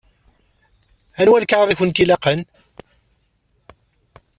Anwa lkaɣeḍ i kent-ilaqen?